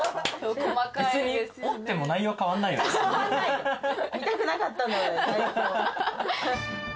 折っても内容は変わんないよ